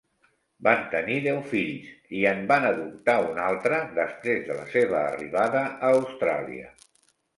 Van tenir deu fills i en van adoptar un altre després de la seva arribada a Austràlia.